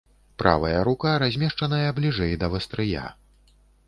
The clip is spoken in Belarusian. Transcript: Правая рука размешчаная бліжэй да вастрыя.